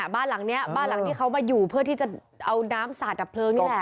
บ้านหลังนี้บ้านหลังที่เขามาอยู่เพื่อที่จะเอาน้ำสาดดับเพลิงนี่แหละ